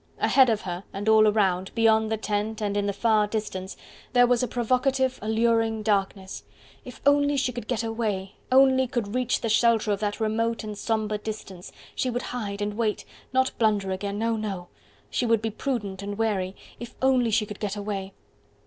Ahead of her, and all around, beyond the tent and in the far distance there was a provocative alluring darkness: if she only could get away, only could reach the shelter of that remote and sombre distance, she would hide, and wait, not blunder again, oh no! she would be prudent and wary, if only she could get away!